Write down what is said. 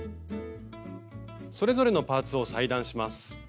それぞれのパーツを裁断します。